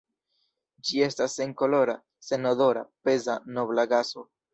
Ĝi estas senkolora, senodora, peza nobla gaso.